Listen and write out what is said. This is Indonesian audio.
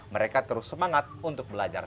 mereka terus semangat untuk belajar